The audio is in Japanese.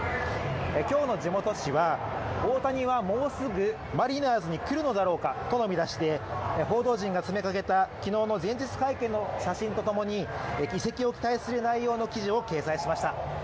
今日の地元紙は大谷はもうすぐマリナーズに来るのだろうかとの見出しで報道陣が詰めかけた昨日の前日会見の写真とともに移籍を期待する内容の記事を掲載しました。